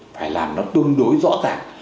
phải làm nó tương đối rõ ràng